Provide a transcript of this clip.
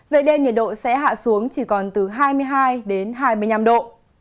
về đêm nhiệt độ sẽ hạ xuống chỉ còn từ hai mươi hai đến hai mươi năm độ